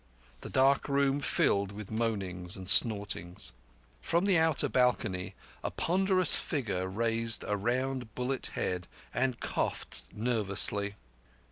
The dark room filled with moanings and snortings. From the outer balcony, a ponderous figure raised a round bullet head and coughed nervously.